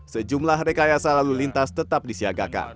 sejumlah rekayasa lalu lintas tetap disiagakan